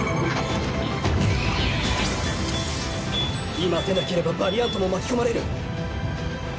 今出なければヴァリアントも巻き込まれる。